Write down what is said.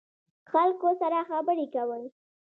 خلکو سره خبرې کوئ؟